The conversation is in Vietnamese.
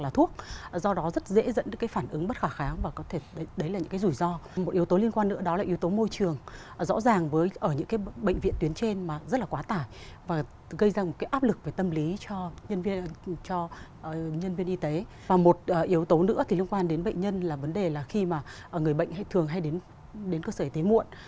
thì liên quan đến bệnh nhân là vấn đề là khi mà người bệnh thường hay đến cơ sở y tế muộn